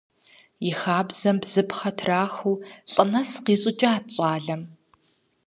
И хабзэм бзыпхъэ трахыу лӀы нэс къищӀыкӀат щӀалэм.